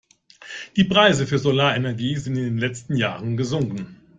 Die Preise für Solarenergie sind in den letzten Jahren gesunken.